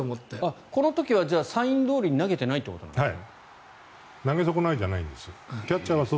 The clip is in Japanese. この時はサインどおりに投げてないんですか？